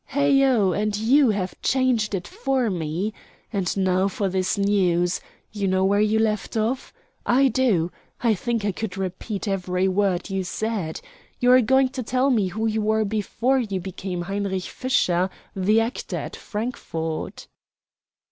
Heigho! And you have changed it for me! And now for this news. You know where you left off? I do. I think I could repeat every word you said. You are going to tell me who you were before you became Heinrich Fischer, the actor at Frankfort."